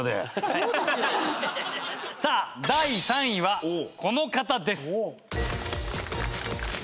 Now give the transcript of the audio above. さあ第３位はこの方です。